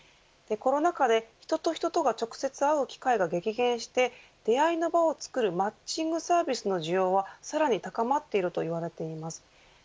コロナ禍で人と人とが直接会う機会が激減して出会いの場をつくるマッチングサービスの需要はさらに高まっているといわれています。